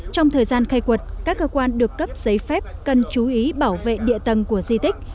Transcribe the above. trong thời gian khai quật các cơ quan được cấp giấy phép cần chú ý bảo vệ địa tầng của di tích